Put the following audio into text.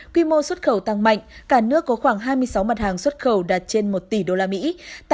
quy mô xuất khẩu tăng mạnh cả nước có khoảng hai mươi sáu mặt hàng xuất khẩu đạt trên một tỷ usd